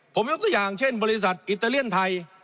ผมยกตัวอย่างเช่นบริษัทอิตาเลียนไทย